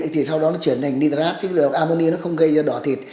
thì sau đó nó chuyển thành nitrate chứ là ammoni nó không gây ra đỏ thịt